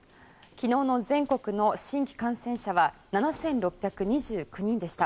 昨日の全国の新規感染者は７６２９人でした。